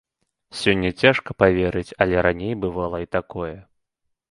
Сёння цяжка паверыць, але раней бывала і такое.